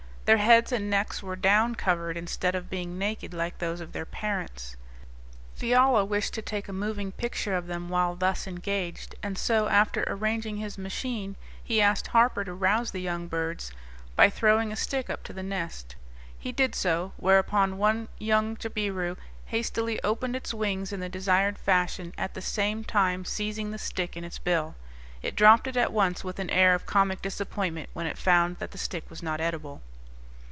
Their heads and necks were down covered, instead of being naked like those of their parents. Fiala wished to take a moving picture of them while thus engaged, and so, after arranging his machine, he asked Harper to rouse the young birds by throwing a stick up to the nest. He did so, whereupon one young jabiru hastily opened its wings in the desired fashion, at the same time seizing the stick in its bill! It dropped it at once, with an air of comic disappointment, when it found that the stick was not edible.